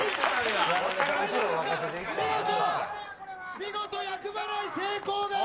見事、厄払い成功です。